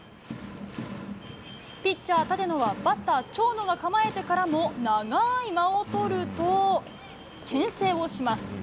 ピッチャー、立野はバッターが構えてからも長い間をとると牽制をします。